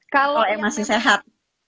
kalau yang masih sehat